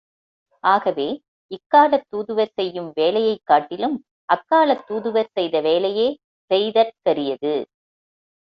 ஆகவே, இக்காலத் தூதுவர் செய்யும் வேலையைக்காட்டிலும் அக்காலத் தூதுவர் செய்த வேலையே செய்தற்கரியது.